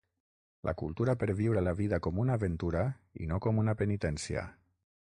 La cultura per viure la vida com una aventura i no com una penitència.